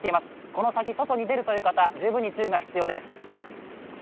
この先、外に出るという方、十分に注意が必要です。